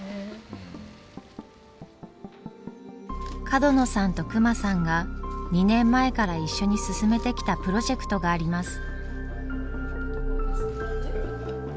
角野さんと隈さんが２年前から一緒に進めてきたプロジェクトがあります。